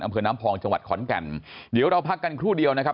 อำเภอน้ำพองจังหวัดขอนแก่นเดี๋ยวเราพักกันครู่เดียวนะครับ